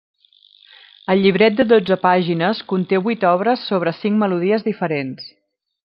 El llibret de dotze pàgines conté vuit obres sobre cinc melodies diferents.